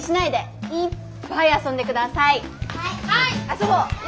遊ぼう！